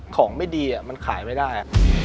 ของไม่ดีมันขายไม่ได้